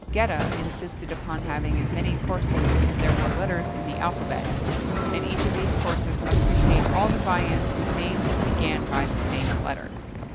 [XXII 29] Geta insisted upon having as many courses as there were letters in the alphabet, and each of these courses must contain all the viands whose name began by the same letter.